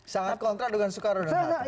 sangat kontra dengan soekarno dan hatta